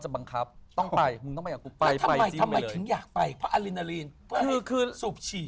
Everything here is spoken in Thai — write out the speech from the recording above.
ว่าไม่ถึงอยากไปพระอรินลีงคนที่มีสุบฉี่